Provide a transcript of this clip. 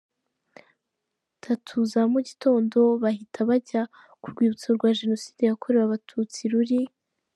tatu za mugitondo, bahita bajya ku rwibutso rwa Jenoside yakorewe abatutsi ruri.